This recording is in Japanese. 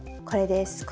これです。